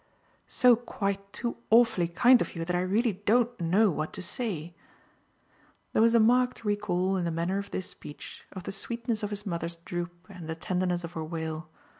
"So quite too awfully kind of you that I really don't know what to say" there was a marked recall, in the manner of this speech, of the sweetness of his mother's droop and the tenderness of her wail.